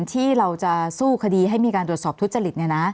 ที่เราจะสู้คดีให้มีการตรวจสอบทุจริต